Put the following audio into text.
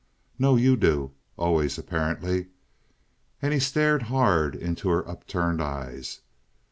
"No, you do. Always, apparently!" And he stared hard into her upturned eyes.